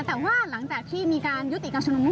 แต่ว่าหลังจากที่มีการยุติการชุมนุม